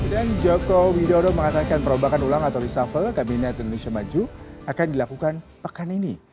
dan joko widodo mengatakan perubahan ulang atau resuffle kabinet indonesia maju akan dilakukan pekan ini